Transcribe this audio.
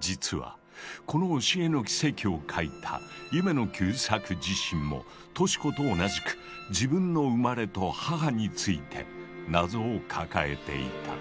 実はこの「押絵の奇蹟」を書いた夢野久作自身もトシ子と同じく自分の生まれと母について謎を抱えていた。